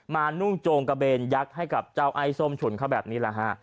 นุ่งโจงกระเบนยักษ์ให้กับเจ้าไอ้ส้มฉุนเขาแบบนี้แหละฮะ